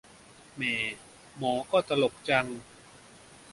แหม่ หมอก็ ตลกจัง